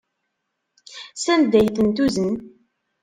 Sanda ay ten-tuzen?